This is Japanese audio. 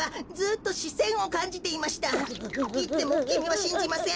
いってもきみはしんじません？